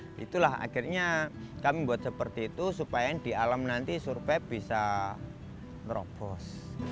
nah itulah akhirnya kami buat seperti itu supaya di alam nanti survei bisa merobos